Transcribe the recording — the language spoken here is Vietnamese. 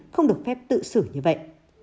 không được phép tự xử như vậy